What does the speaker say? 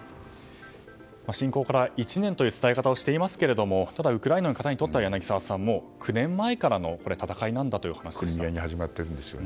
侵攻から１年という伝え方をしていますがただウクライナの方にとっては柳澤さん、９年前からのクリミアで始まってるんですよね。